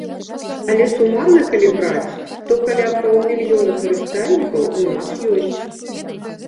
Але сумарна калі браць, то каля паўмільёна карыстальнікаў у нас ёсць.